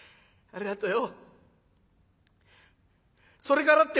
ありがとよ。